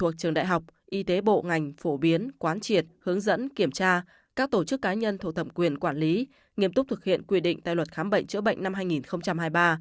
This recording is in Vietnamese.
các tổ chức cá nhân thổ tầm quyền quản lý nghiêm túc thực hiện quy định tài luật khám bệnh chữa bệnh năm hai nghìn hai mươi ba